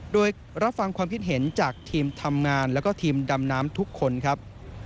โดยรับฟังความคิดเห็นจากทีมทำงานแล้วก็ทีมดำน้ำทุกคนครับ